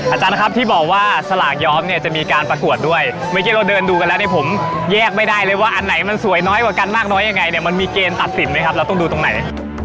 อาจารย์ครับที่บอกว่าสลากย้อมเนี่ยจะมีการประกวดด้วยเมื่อกี้เราเดินดูกันแล้วเนี่ยผมแยกไม่ได้เลยว่าอันไหนมันสวยน้อยกว่ากันมากน้อยยังไงเนี่ยมันมีเกณฑ์ตัดสินไหมครับเราต้องดูตรงไหน